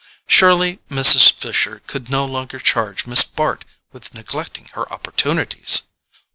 Surely Mrs. Fisher could no longer charge Miss Bart with neglecting her opportunities!